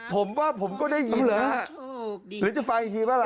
ผมว่าผมก็ได้ยินละหรือจะฟังอีกทีป่าวล่ะ